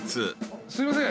すいません。